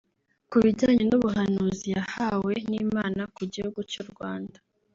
Ku bijyanye n’ubuhanuzi yahawe n’Imana ku gihugu cy’u Rwanda